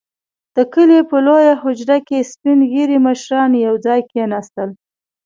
• د کلي په لويه حجره کې سپين ږيري مشران يو ځای کښېناستل.